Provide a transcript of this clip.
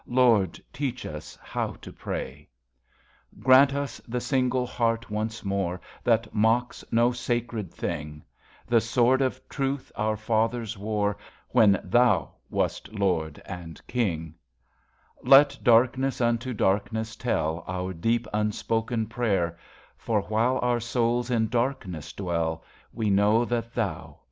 Lord, teach us how to pray. V KADA Grant us the single heart once more That mocks no sacred thing, The Sword of Truth our fathers wore When Thou wast Lord and King. Let darkness unto darkness tell Our deep unspoken prayer ; For, while our souls in darkness dwell, We know that Thou art there. VI LIST OF ILLUSTRATIONS THE BAYONETS.